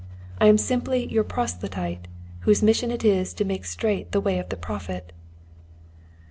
I am simply your proselyte whose mission it is to make straight the way of the prophet."